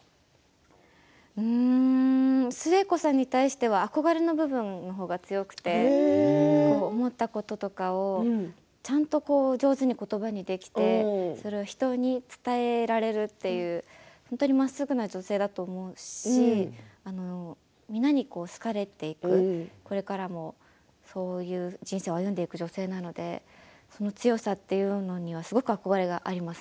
寿恵子さんに対しては憧れの部分の方が強くて思ったこととかをちゃんと上手に言葉にできて人に伝えられるというまっすぐな女性だと思いますしみんなに好かれていくこれからもそういう人生を歩んでいく女性なので強さというものにはすごく憧れがあります。